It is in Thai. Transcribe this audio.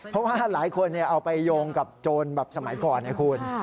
เพราะว่าหลายคนเอาไปโยงกับโจรแบบสมัยก่อนไงคุณ